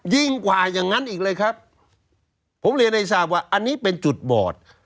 ยิ่งกว่าอย่างนั้นอีกเลยครับผมเรียนให้ทราบว่าอันนี้เป็นจุดบอด